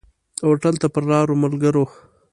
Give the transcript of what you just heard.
هوټل ته پر لاره ملګرو.